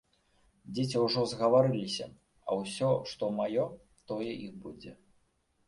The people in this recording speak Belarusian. Дзеці ўжо згаварыліся, а ўсё, што маё, тое іх будзе.